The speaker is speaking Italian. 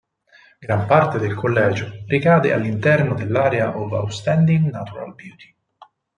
Gran parte del collegio ricade all'interno dell'Area of Outstanding Natural Beauty.